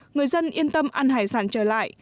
người dân yên tâm ăn hải sản trở lại